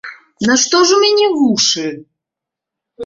Нашто ж у мяне вушы?